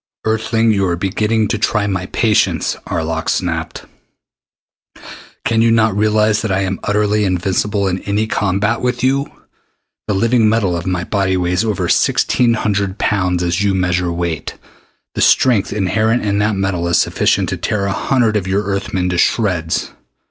"Earthling, you are beginning to try my patience," Arlok snapped. "Can you not realize that I am utterly invincible in any combat with you? The living metal of my body weighs over sixteen hundred pounds, as you measure weight. The strength inherent in that metal is sufficient to tear a hundred of your Earth men to shreds.